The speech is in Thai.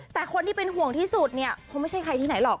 แต่คนที่เป็นห่วงที่สุดเนี่ยคงไม่ใช่ใครที่ไหนหรอก